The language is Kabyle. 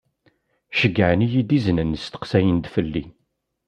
Ceyyɛen-iyi-d iznen steqsayen-d fell-i.